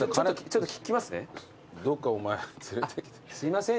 すいません。